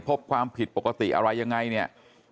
พบความผิดปกติอะไรยังไง